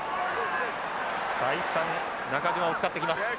再三中島を使ってきます。